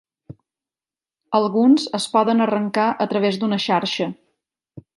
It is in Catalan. Alguns es poden arrencar a través d'una xarxa.